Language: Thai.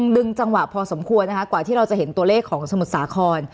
ดึงจังหวะพอสมควรนะคะกว่าที่เราจะเห็นตัวเลขของสมุทรสาคร